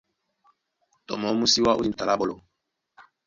Tɔ mɔɔ́ mú sí wá ó dîn duta lá ɓɔ́lɔ.